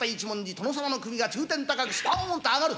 殿様の首が中天高くスポーンと上がる。